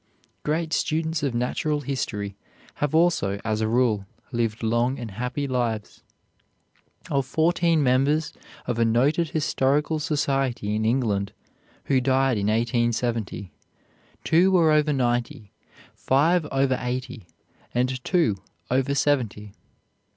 Great students of natural history have also, as a rule, lived long and happy lives. Of fourteen members of a noted historical society in England, who died in 1870, two were over ninety, five over eighty, and two over seventy.